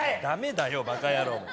ダメだよバカ野郎！